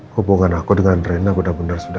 hubungan aku dengan rena udah bener bener sudah